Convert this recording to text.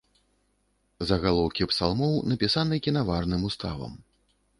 Загалоўкі псалмоў напісаны кінаварным уставам.